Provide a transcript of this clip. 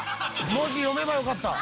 「文字読めばよかった」